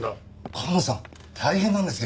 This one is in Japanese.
鴨さん大変なんですよ！